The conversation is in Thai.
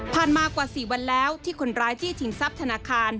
มากว่า๔วันแล้วที่คนร้ายจี้ชิงทรัพย์ธนาคาร